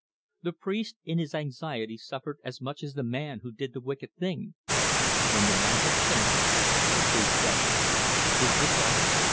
The priest in his anxiety suffered as much as the man who did the wicked thing. When the man had finished, the priest said: "Is this all?"